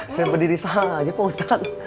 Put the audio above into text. saya berdiri saja pak ustadz